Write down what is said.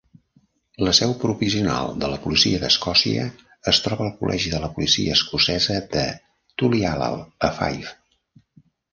La seu provisional de la policia d'Escòcia es troba al Col·legi de Policia Escocesa de Tulliallan, a Fife.